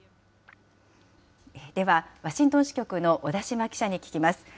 では、ワシントン支局の小田島記者に聞きます。